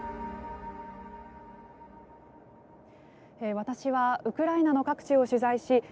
私はウクライナの各地を取材し３日前